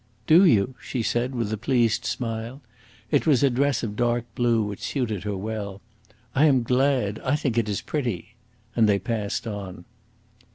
"Do you?" she said, with a pleased smile. It was a dress of dark blue which suited her well. "I am glad. I think it is pretty." And they passed on.